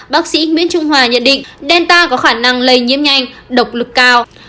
bác sĩ nguyễn trung hòa nhận định danta có khả năng lây nhiễm nhanh độc lực cao